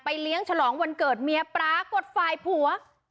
เลี้ยงฉลองวันเกิดเมียปรากฏฝ่ายผัว